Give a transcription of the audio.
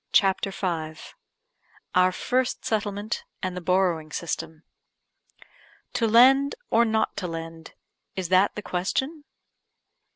CHAPTER V OUR FIRST SETTLEMENT, AND THE BORROWING SYSTEM To lend, or not to lend is that the question?